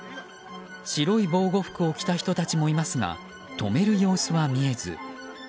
白い防護服を着た人たちもいますが止める様子は見えず。